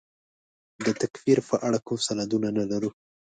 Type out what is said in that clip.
د تکفیر په اړه کوم سند نه لرو.